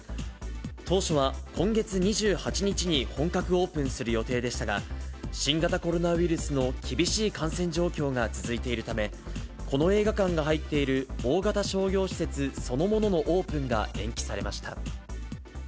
当初は今月２８日に本格オープンする予定でしたが、新型コロナウイルスの厳しい感染状況が続いているため、この映画館が入っている大型商業施設そのもののオープンが延期されました。